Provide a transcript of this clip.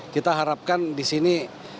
kita harapkan di sini